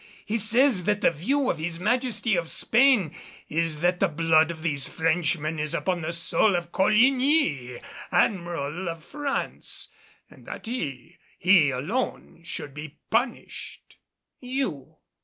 He says that the view of his Majesty of Spain is that the blood of these Frenchmen is upon the soul of Coligny, Admiral of France, and that he, and he alone, should be punished." "You!